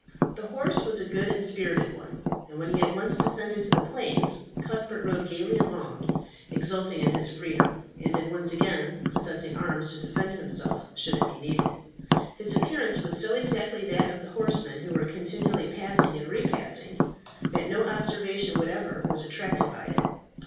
The horse was a good and spirited one, and when he had once descended to the plains, Cuthbert rode gaily along, exulting in his freedom, and in once again possessing arms to defend himself should it be needed. His appearance was so exactly that of the horsemen who were continually passing and repassing that no observation whatever was attracted by it.